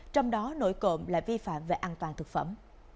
trong đó nội cộm là vi phạm về an toàn thực phẩm